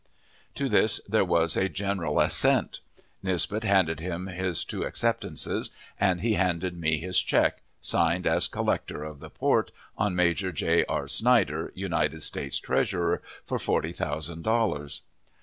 To this there was a general assent. Nisbet handed him his two acceptances, and he handed me his check, signed as collector of the port, on Major J. R. Snyder, United States Treasurer, for forty thousand dollars.